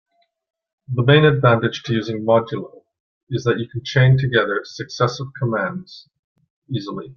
The main advantage to using modulo is that you can chain together successive commands easily.